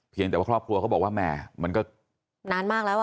แต่ว่าครอบครัวเขาบอกว่าแหม่มันก็นานมากแล้ว